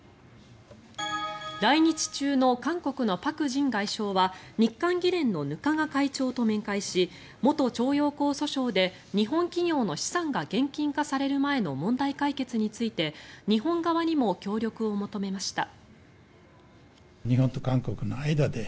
来日中の韓国のパク・ジン外相は日韓議連の額賀会長と面会し元徴用工訴訟で日本企業の資産が現金化される前の問題解決について日本側にも協力を求めました。